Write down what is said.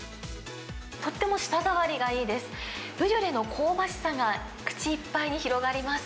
とっても舌触りがいいです。